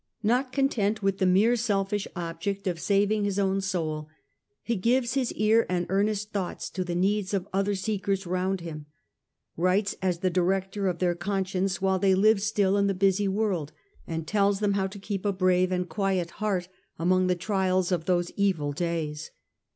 Not content with the mere selfish object of saving his own soul, he gives his ear and earnest thoughts to the needs of other seekers round him, writes as the director of their con^ science while they live still in the busy world, and tells them how to keep a brave and quiet heart among the trials of those evil days.